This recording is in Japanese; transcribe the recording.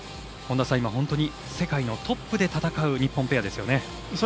今、本当に世界のトップで戦う日本ペアですね。